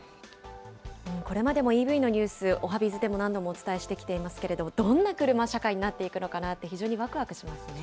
これまでもＥＶのニュース、おはＢｉｚでも何度もお伝えしてきていますけれども、どんな車社会になっていくのかなって、非常にわくわくしますよね。